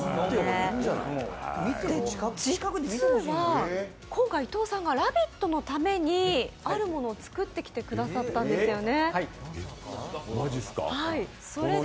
実は今回、伊藤さんが「ラヴィット！」のためにあるものを作ってきてくださったんですよね。